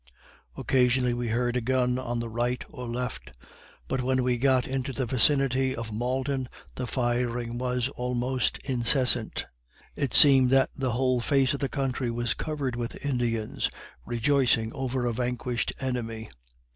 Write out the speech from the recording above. Occasionally we heard a gun on the right or left; but when we got into the vicinity of Malden the firing was almost incessant it seemed that the whole face of the country was covered with Indians, rejoicing over a vanquished enemy.